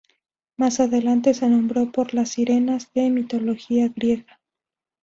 Más adelante se nombró por las sirenas de la mitología griega.